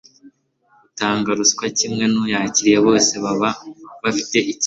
Utanga ruswa kimwe n'uyakira bose baba bafite icyaha.